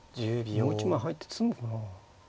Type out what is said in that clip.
もう一枚入って詰むかなあ。